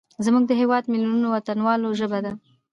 زموږ د هیواد میلیونونو وطنوالو ژبه ده.